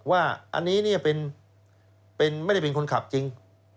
ว่าอันนี้ไม่ได้เป็นคนขับจริง